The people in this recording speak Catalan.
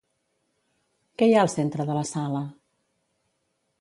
Què hi ha al centre de la sala?